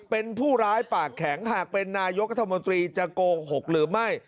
เป็นผู้ร้ายปากแข็งหากเป็นนายกรัฐมนตรีจะโกหกหรือไม่